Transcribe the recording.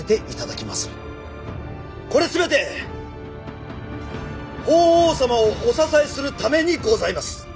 これ全て法皇様をお支えするためにございます。